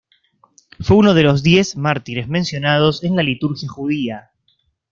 Fue uno de los Diez Mártires mencionados en la liturgia judía.